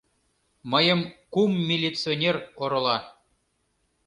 Мыйым кум милиционер орола.